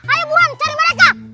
ayo buran cari mereka